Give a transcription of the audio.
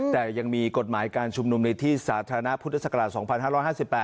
แต่ยังมีกฎหมายการชุมนุมในที่สาธารณะพุทธศักราช๒๕๕๘